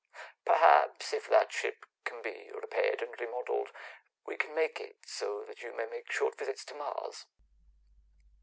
Perhaps, if that ship can be repaired and remodeled, we can include it so that you may make short visits to Mars."